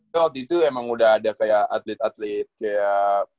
waktu itu emang udah ada kayak atlet atlet kayak